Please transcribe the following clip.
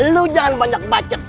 lu jangan banyak bacet